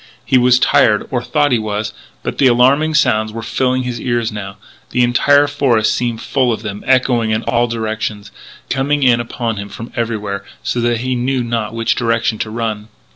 He was tired, or thought he was, but the alarming sounds were filling his ears now; the entire forest seemed full of them, echoing in all directions, coming in upon him from everywhere, so that he knew not in which direction to run.